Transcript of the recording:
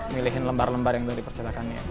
milihin lembar lembar yang ada di percetakannya